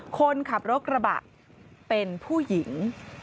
คนขับรถกระบะเป็นผู้หญิง